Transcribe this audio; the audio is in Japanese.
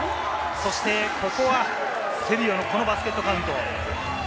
そしてここでセリオのこのバスケットカウント。